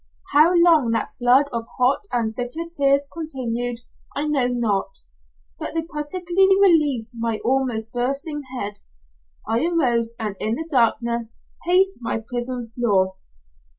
How long that flood of hot and bitter tears continued I know not, but they partially relieved my almost bursting head. I arose, and in the darkness paced my prison floor.